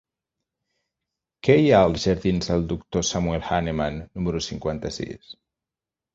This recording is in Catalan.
Què hi ha als jardins del Doctor Samuel Hahnemann número cinquanta-sis?